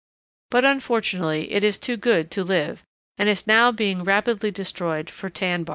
But unfortunately it is too good to live, and is now being rapidly destroyed for tan bark.